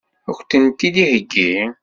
Ad k-tent-id-iheggi?